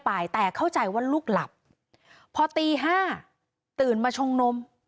ไปแต่เข้าใจว่าลูกหลับพอตีห้าตื่นมาชงนม